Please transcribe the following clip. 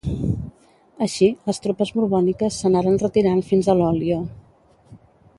Així, les tropes borbòniques s'anaren retirant fins a l'Oglio.